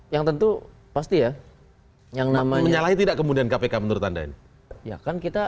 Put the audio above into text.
ya dari pandang yang zelf